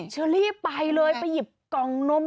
เชอรี่ไปเลยไปหยิบกล่องนม